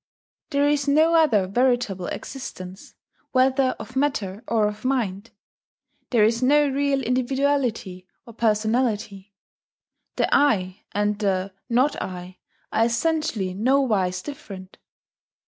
There is no other veritable existence, whether of Matter or of Mind; there is no real individuality or personality; the "I" and the "Not I" are essentially nowise different.